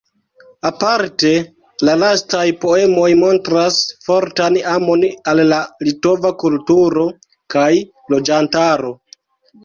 Aparte la lastaj poemoj montras fortan amon al la litova kulturo kaj loĝantaro.